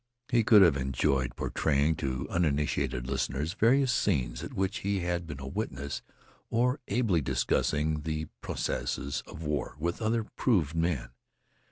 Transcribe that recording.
He could have enjoyed portraying to uninitiated listeners various scenes at which he had been a witness or ably discussing the processes of war with other proved men.